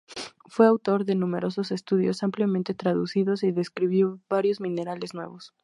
Fue autor de numerosos estudios ampliamente traducidos y describió varios minerales nuevos.